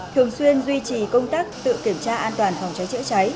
thường xuyên duy trì công tác tự kiểm tra an toàn phòng cháy chữa cháy